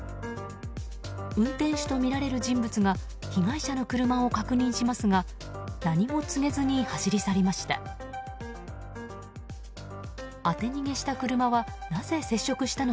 運転手とみられる人物が被害者の車を確認しますが何も告げずに走り去りました。